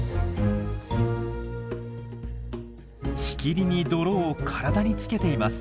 しきりに泥を体につけています。